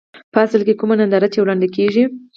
په اصل کې کومه ننداره چې وړاندې کېږي.